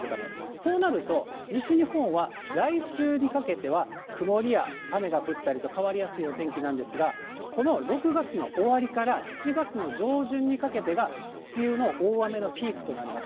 そうなると、西日本は来週にかけては曇りや雨が降ったりと、変わりやすいお天気なんですが、この６月の終わりから７月の上旬にかけてが、梅雨の大雨のピークとなります。